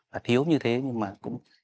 và thiếu như thế nhưng mà cũng